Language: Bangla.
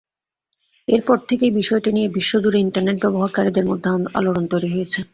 এরপর থেকেই বিষয়টি নিয়ে বিশ্বজুড়ে ইন্টারনেট ব্যবহারকারীদের মধ্যে আলোড়ন তৈরি হয়েছে।